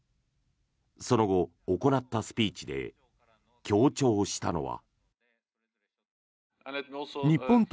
その後、行ったスピーチで強調したのは。